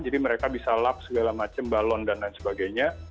jadi mereka bisa lap segala macam balon dan lain sebagainya